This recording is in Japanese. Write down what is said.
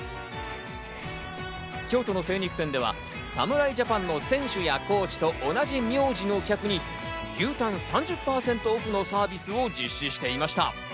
京都の精肉店では、侍ジャパンの選手やコーチと同じ名字の客に、牛タン３０％オフのサービスを実施していました。